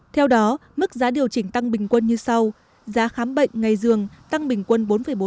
theo đó mức giá điều chỉnh tăng bình quân như sau giá khám bệnh ngày dường tăng bình quân bốn bốn